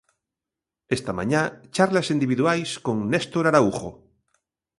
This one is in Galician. Esta mañá charlas individuais con Néstor Araújo.